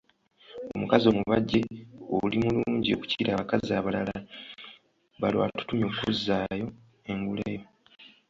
Omukazi omubajje ,oli mulungi okukira abakazi abalala, balo atutumye okuzzaayo engule yo.